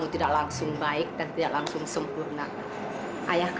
tidak mungkin kamu berhasil mengajak